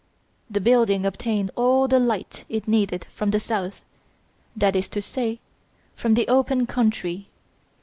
The building obtained all the light it needed from the south, that is to say, from the open country.